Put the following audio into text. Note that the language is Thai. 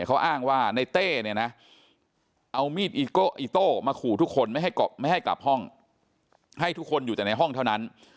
เขาอ้างว่านายเต้เอามีดอิโต้มาขู่ทุกคนไม่ให้กลับห้องให้ทุกคนอยู่ในห้องเท่านั้น